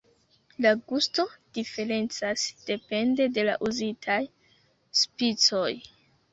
La gusto diferencas depende de la uzitaj spicoj.